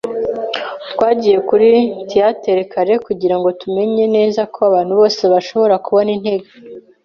Twagiye kuri theatre kare, kugirango tumenye neza ko abantu bose bashobora kubona intebe.